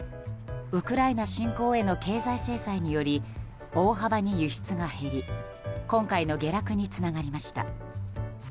ウクライナ侵攻への経済制裁により大幅に輸出が減り今回の下落につながりました。